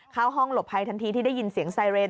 เข้าห้องหลบภัยทันทีที่ได้ยินเสียงไซเรน